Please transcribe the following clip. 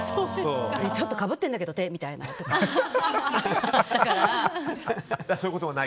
ちょっとかぶってんだけど、手みたいな。